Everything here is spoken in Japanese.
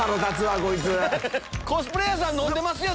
コスプレーヤーさん飲んでますよ